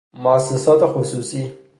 موُسسات خصوصی